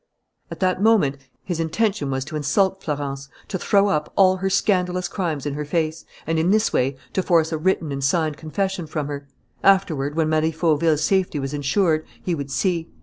At that moment his intention was to insult Florence, to throw up all her scandalous crimes in her face, and, in this way, to force a written and signed confession from her. Afterward, when Marie Fauville's safety was insured, he would see.